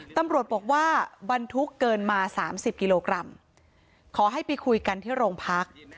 ตำรวจบอกว่าบรรทุกเกินมาสามสิบกิโลกรัมขอให้ไปคุยกันที่โรงพัก